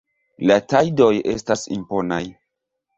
La tajdoj estas imponaj.